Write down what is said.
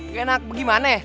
gak enak bagaimana